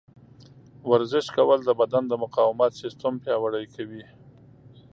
ورزش کول د بدن د مقاومت سیستم پیاوړی کوي.